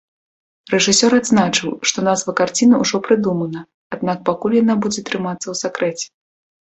Рэжысёр адзначыў, што назва карціны ўжо прыдумана, аднак пакуль яна будзе трымацца ў сакрэце.